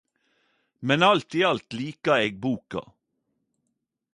Men alt i alt lika eg boka.